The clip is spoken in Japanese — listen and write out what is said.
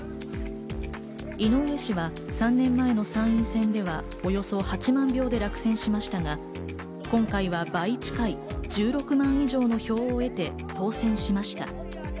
井上氏は３年前の参院選ではおよそ８万票で落選しましたが、今回は倍近い１６万以上の票を得て、当選しました。